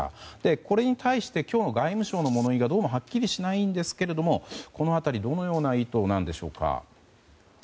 これに対して今日の外務省の物言いははっきりしないんですがこの辺りどのような意図でしょうか。